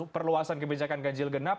perluasan kebijakan ganjil genap